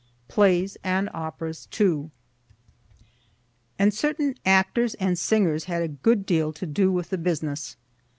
PLAYS AND OPERAS TOO And certain actors and singers, had a good deal to do with the business.